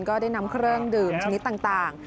ก็ได้นำเครื่องดื่มชนิดต่าง